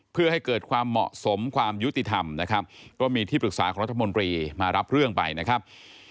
เพื่อให้เกิดความเหมาะสมความยุติธรรมนะครับก็มีที่ปรึกษาของรัฐมนตรีมารับเรื่องไปนะครับ